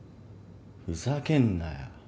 ふざけんなよ。